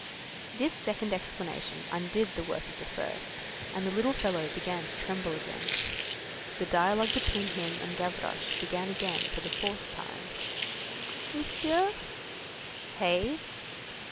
This second explanation undid the work of the first, and the little fellow began to tremble again. The dialogue between him and Gavroche began again for the fourth time:— "Monsieur?" "Hey?"